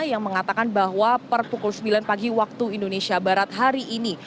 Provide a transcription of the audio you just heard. yang mengatakan bahwa per pukul sembilan pagi waktu indonesia barat hari ini